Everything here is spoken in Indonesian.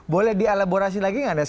boleh dialaborasi lagi tidak